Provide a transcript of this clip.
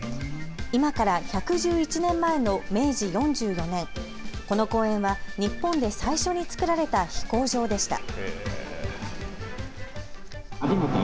今から１１１年前の明治４４年、この公園は日本で最初につくられた飛行場でした。